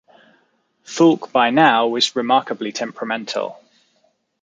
Foulke by now was remarkably temperamental.